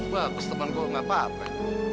wah temanku gak apa apa